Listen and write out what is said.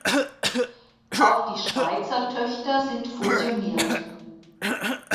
Auch die Schweizer Töchter sind fusioniert.